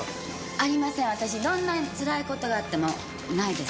ありません、私、どんなにつらいことがあってもないです。